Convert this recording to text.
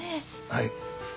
はい。